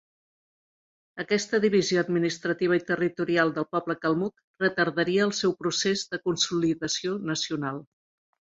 Aquesta divisió administrativa i territorial del poble calmuc retardaria el seu procés de consolidació nacional.